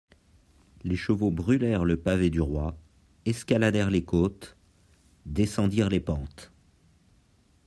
Les chevaux brûlèrent le pavé du Roi, escaladèrent les côtes, descendirent les pentes.